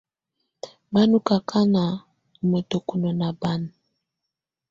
Bà nɔ̀ akana ù mǝtǝkunǝ nà bana.